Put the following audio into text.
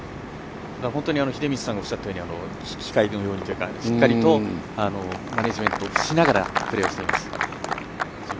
本当に秀道さんがおっしゃったように機械のようにというかしっかりとマネジメントしながらプレーしています。